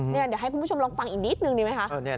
เดี๋ยวให้คุณผู้ชมลองฟังอีกนิดนึงดีไหมคะ